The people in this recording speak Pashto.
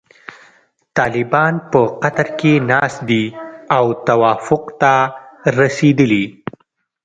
طالبان په قطر کې ناست دي او توافق ته رسیدلي.